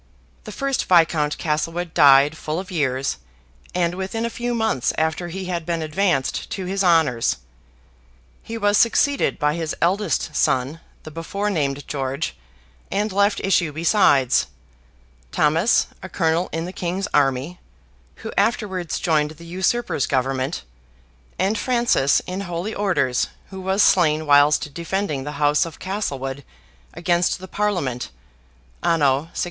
The first Viscount Castlewood died full of years, and within a few months after he had been advanced to his honors. He was succeeded by his eldest son, the before named George; and left issue besides, Thomas, a colonel in the King's army, who afterwards joined the Usurper's Government; and Francis, in holy orders, who was slain whilst defending the House of Castlewood against the Parliament, anno 1647.